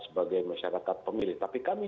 sebagai masyarakat pemilih tapi kami